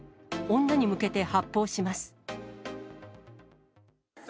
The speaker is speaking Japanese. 女に向けて発砲します。